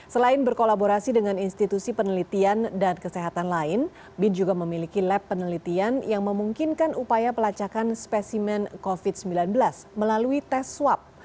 selain berkolaborasi dengan institusi penelitian dan kesehatan lain bin juga memiliki lab penelitian yang memungkinkan upaya pelacakan spesimen covid sembilan belas melalui tes swab